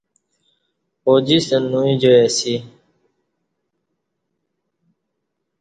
اوجستہ نوئی جائ اسی